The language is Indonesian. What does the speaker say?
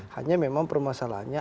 hanya memang permasalahannya